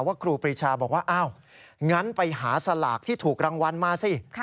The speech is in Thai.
ครูปรีชาบอกว่าอ้าวงั้นไปหาสลากที่ถูกรางวัลมาสิ